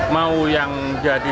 mau yang jadi